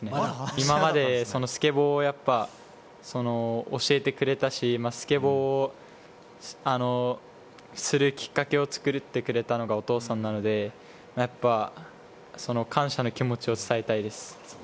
今までスケボーをやっぱ教えてくれたしスケボーをするきっかけを作ってくれたのがお父さんなのでやっぱり、感謝の気持ちを伝えたいです。